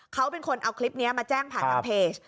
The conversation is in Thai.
เขาเป็นคนเอาคลิปนี้มาแจ้งผ่านทางเพจ